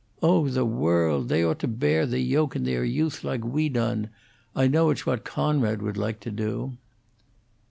"Oh, the world! They ought to bear the yoke in their youth, like we done. I know it's what Coonrod would like to do."